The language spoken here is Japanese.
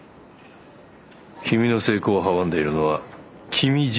君の成功を阻んでいるのは君自身だ。